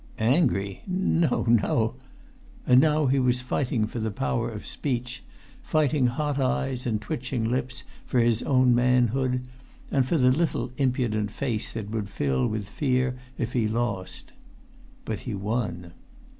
"Angry? No—no——" And now he was fighting for the power of speech—fighting hot eyes and twitching lips for his own manhood—and for the little impudent face that would fill with fear if he lost. But he won.